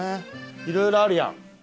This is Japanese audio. いろいろあるやん。